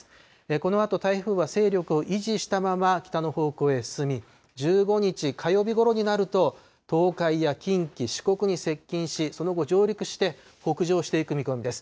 このあと台風は勢力を維持したまま北の方向へ進み、１５日火曜日ごろになると、東海や近畿、四国に接近し、その後、上陸して北上していく見込みです。